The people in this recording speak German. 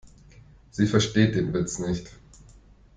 Sie versteht den Witz nicht.